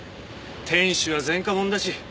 店主は前科者だし